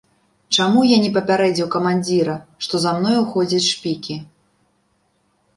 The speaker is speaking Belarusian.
Чаму я не папярэдзіў камандзіра, што за мною ходзяць шпікі?